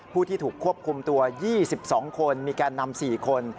ผู้ที่ถูกควบคุมตัว๒๒คนมีแกนนำ๔คน